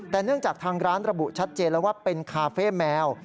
แต่เนื่องจากทางร้านระบุชัดเจนแล้วว่าเป็นคาเฟ่แมว